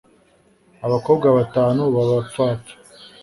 abakobwa batanu baba pfapfa